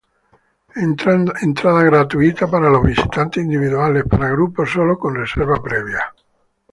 Entrada gratuita para los visitantes individuales, para grupos sólo con reserva previa.